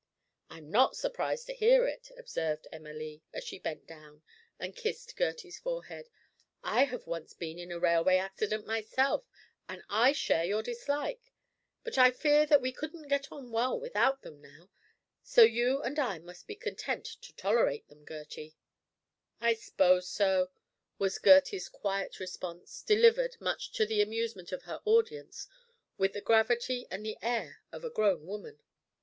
"I'm not surprised to hear it," observed Emma Lee, as she bent down and kissed Gertie's forehead. "I have once been in a railway accident myself, and I share your dislike; but I fear that we couldn't get on well without them now, so you and I must be content to tolerate them, Gertie." "I s'pose so," was Gertie's quiet response, delivered, much to the amusement of her audience, with the gravity and the air of a grown woman.